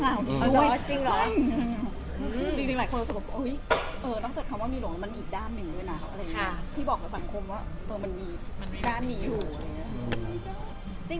อาหลายคนจะแบบเออนอกจากคำว่ามีหลวงมันมีอีกด้านหนึ่งด้วยหรือที่บอกกับฝังคมว่ามันมีอยู่